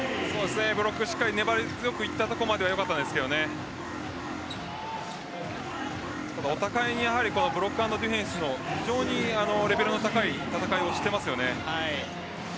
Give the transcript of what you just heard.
ブロック粘り強くいったところまでは良かったんですけどねお互いにブロックアンドディフェンスレベルの高い戦いをしています。